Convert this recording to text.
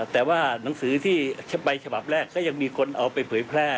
แต่ว่าหนังสือที่ไปฉบับแรกก็ยังมีคนเอาไปเผยแพร่